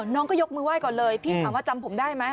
น้องก็ยกมือไห้ก่อนเลยพี่ถามว่าจำผมได้ไหม